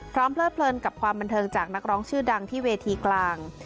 เลิดเพลินกับความบันเทิงจากนักร้องชื่อดังที่เวทีกลาง